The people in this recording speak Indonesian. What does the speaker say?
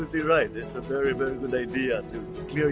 ini adalah ide yang sangat baik untuk menjelaskan kepala anda